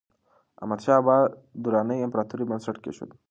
احمدشاه بابا د دراني امپراتورۍ بنسټ کېښود.